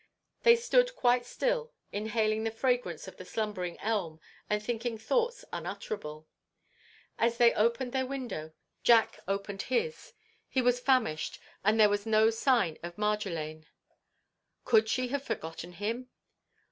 They stood quite still, inhaling the fragrance of the slumbering elm, and thinking thoughts unutterable. As they opened their window Jack opened his. He was famished, and there was no sign of Marjolaine. Could she have forgotten him?